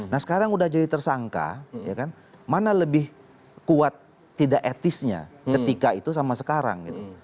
nah sekarang udah jadi tersangka ya kan mana lebih kuat tidak etisnya ketika itu sama sekarang gitu